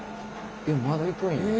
えっまだいくんや。